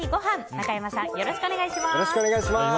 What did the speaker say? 中山さん、よろしくお願いします。